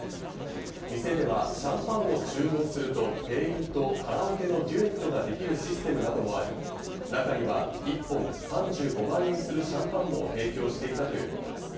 店ではシャンパンを注文すると、店員とカラオケのデュエットができるシステムなどもあり、中には一本３５万円するシャンパンも提供していたということです。